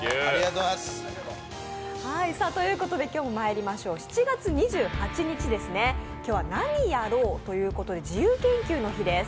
今日もまいりましょう７月２８日、今日は「なにやろう」ということで自由研究の日です。